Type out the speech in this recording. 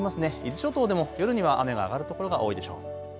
伊豆諸島でも夜には雨が上がる所が多いでしょう。